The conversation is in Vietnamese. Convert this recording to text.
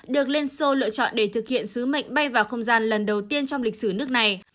được liên xô lựa chọn để thực hiện sứ mệnh bay vào không gian lần đầu tiên trong lịch sử nước này